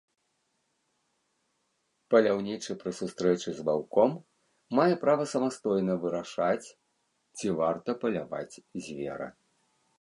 Паляўнічы пры сустрэчы з ваўком мае права самастойна вырашаць, ці варта паляваць звера.